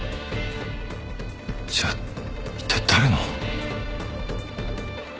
じゃあいったい誰の？